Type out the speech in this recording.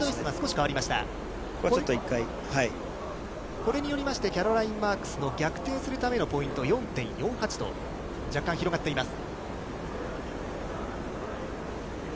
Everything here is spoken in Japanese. これによりまして、キャロライン・マークスの逆転するためのポイント、４．４８と、若干広がっています。